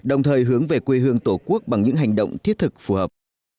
đồng thời hướng về quê hương tổ quốc bằng những hành động thiết thực phù hợp